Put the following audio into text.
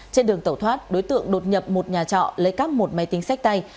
trên đường tẩu thoát đối tượng đột nhập một nhà trọ lấy cắp một máy tính sách tay